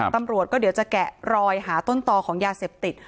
ตำรวจก็เดี๋ยวจะแกะรอยหาต้นต่อของยาเสพติด